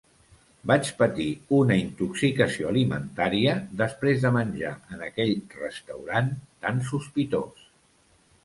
Vaig patir una intoxicació alimentària després de menjar en aquell restaurant tant sospitós.